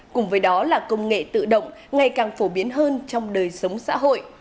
cùng với đó là công nghệ tự động ngày càng phổ biến hơn trong đời sống xã hội